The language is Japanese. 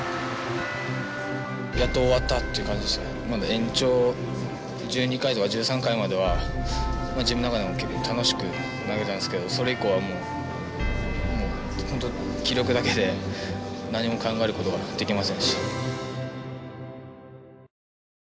延長１２回とか１３回までは自分の中でも結構楽しく投げたんですけどそれ以降はもう本当気力だけで何も考えることができませんでした。